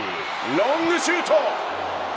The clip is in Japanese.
ロングシュート。